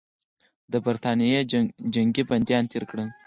د برټانیې جنګي بندیان تېر کړل.